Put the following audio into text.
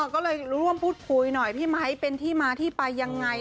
ก็เลยร่วมพูดคุยหน่อยพี่ไมค์เป็นที่มาที่ไปยังไง